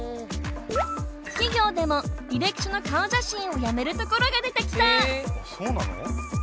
企業でも履歴書の顔写真をやめるところが出てきた。